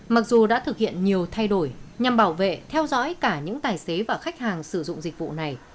mặc dù đã thực hiện nhiều thay đổi nhằm bảo vệ theo dõi cả những tài xế và khách hàng sử dụng dịch vụ này